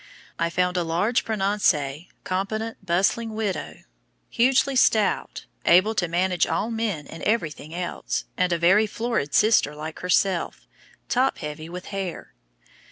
I found a large, prononcee, competent, bustling widow, hugely stout, able to manage all men and everything else, and a very florid sister like herself, top heavy with hair.